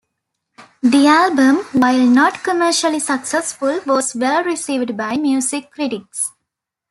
The album, while not commercially successful, was well-received by music critics.